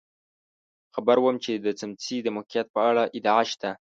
خبر وم چې د څمڅې د موقعیت په اړه ادعا شته.